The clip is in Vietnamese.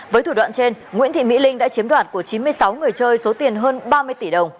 với thủ đoạn trên nguyễn thị mỹ linh đã chiếm đoạt của chín mươi sáu người chơi số tiền hơn ba mươi tỷ đồng